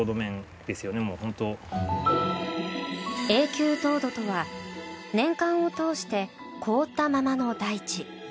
永久凍土とは年間を通して凍ったままの大地。